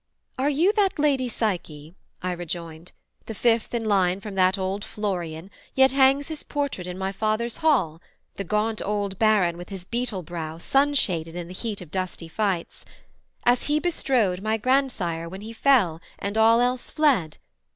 'Are you that Lady Psyche,' I rejoined, 'The fifth in line from that old Florian, Yet hangs his portrait in my father's hall (The gaunt old Baron with his beetle brow Sun shaded in the heat of dusty fights) As he bestrode my Grandsire, when he fell, And all else fled?